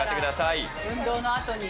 運動のあとに。